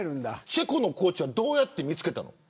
チェコのコーチはどうやって見つけたの。